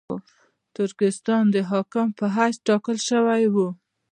ترکستان د حاکم په حیث ټاکل شوی وو.